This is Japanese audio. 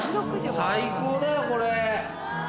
最高だよこれ。